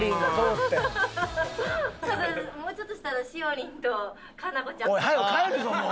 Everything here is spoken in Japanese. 多分もうちょっとしたらしおりんと夏菜子ちゃんが。